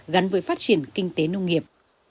gắn với phát triển kinh tế nông nghiệp